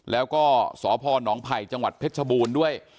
แล้วก็สพนไผ่จังหวัดเพชรชบูรณ์ด้วย